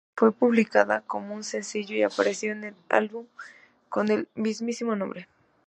Fue publicada como un sencillo y apareció en el álbum con el mismísimo nombre.